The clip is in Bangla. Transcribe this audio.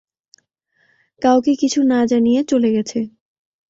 কাউকে কিছু না জানিয়ে চলে গেছে।